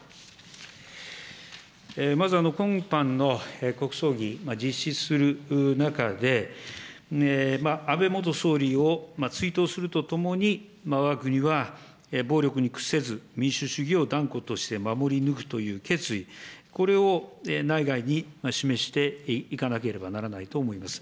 まず今般の国葬儀、実施する中で、安倍元総理を追悼するとともに、わが国は暴力に屈せず、民主主義を断固として守り抜くという決意、これを内外に示していかなければならないと思います。